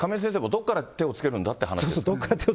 どっから手をつけるんだっていう話。